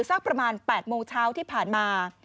สักประมาณ๘โมงเช้าที่ผ่านมา